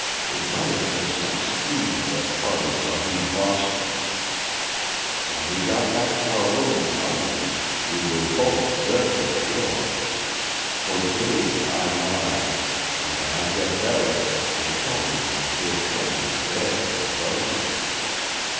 "It might have been some scheme on the part of Sahib Voski. When we got back to our room in London we were both dreadfully ill. For days I lie, and when I get better they tell me my poor friend is dead and buried.